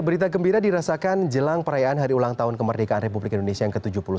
berita gembira dirasakan jelang perayaan hari ulang tahun kemerdekaan republik indonesia yang ke tujuh puluh satu